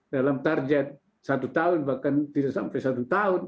dalam target satu tahun bahkan tidak sampai satu tahun